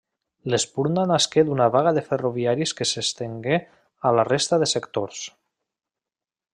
L'espurna nasqué d'una vaga de ferroviaris que s'estengué a la resta de sectors.